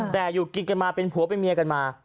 แต่อยู่กินกันมาเป็นผัวเป็นเมียกันมา